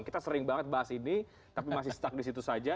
kita sering banget bahas ini tapi masih stuck di situ saja